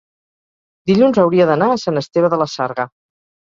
dilluns hauria d'anar a Sant Esteve de la Sarga.